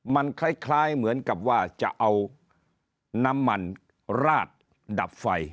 มันคล้ายเหมือนกับว่าจะเอาน้ำมันราดดับไฟ